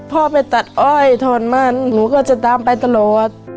พ่อไปตัดอ้อยถอนมันหนูก็จะตามไปตลอด